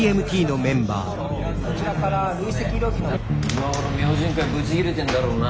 今頃「明神会」ブチギレてんだろうな。